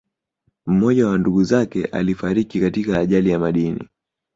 Mmoja wa ndugu zake alifariki katika ajali ya madini